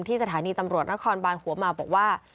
สถานีตำรวจนครบานหัวมาบอกว่า